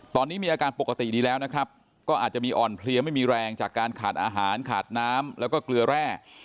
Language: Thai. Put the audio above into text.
ตอนนี้มีอาการปกติดีแล้วนะครับก็อาจจะมีอ่อนเพลียไม่มีแรงจากการขาดอาหารขาดน้ำแล้วก็เกลือแร่